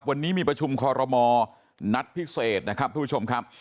วันนี้มีประชุมคอรมอนัดพิเศษนะครับทุกผู้ชมครับ